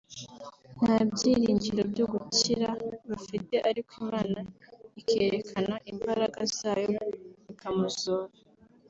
nta byiringiro byo gukira bafite ariko Imana ikerekana imbaraga zayo ikamuzura